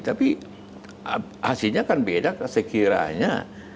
tapi hasilnya kan beda sekiranya